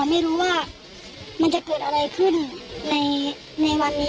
ไม่รู้ว่ามันจะเกิดอะไรขึ้นในวัดนี้